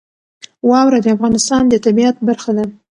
واوره د افغانستان د طبیعت برخه ده.